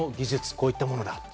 こういったものだと。